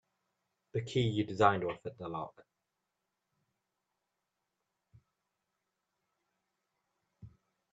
The key you designed will fit the lock.